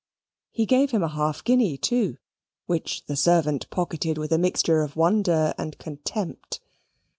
He gave him a half guinea too, which the servant pocketed with a mixture of wonder and contempt.